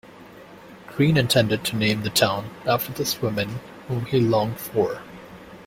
Green intended to name the town after this woman whom he longed for.